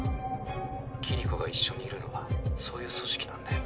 キリコが一緒にいるのはそういう組織なんだよ